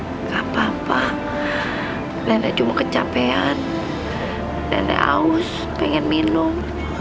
enggak papa nenek cuma kecapean nenek aus pengen minum